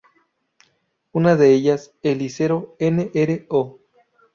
Una de ellas, el Liceo Nro.